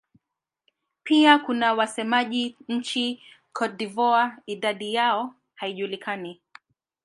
Pia kuna wasemaji nchini Cote d'Ivoire; idadi yao haijulikani.